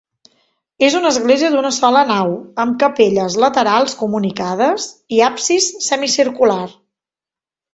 És una església d'una sola nau, amb capelles laterals comunicades i absis semicircular.